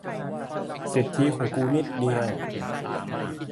สิทธิของกูนิดเดียว